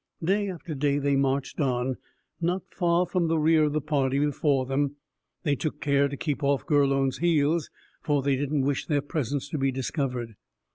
Day after day they marched on, not far from the rear of the party before them. They took care to keep off Gurlone's heels, for they did not wish their presence to be discovered.